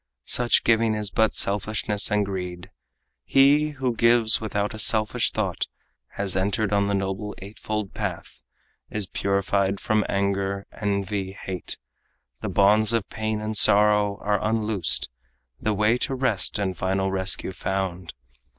Such giving is but selfishness and greed, But he who gives without a selfish thought Has entered on the noble eightfold path, Is purified from anger, envy, hate. The bonds of pain and sorrow are unloosed; The way to rest and final rescue found.